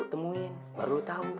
temuin baru tau